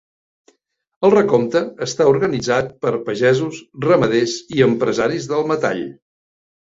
El recompte està organitzat per pagesos, ramaders i empresaris del metall.